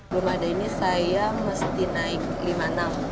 belum ada ini saya mesti naik rp lima enam ratus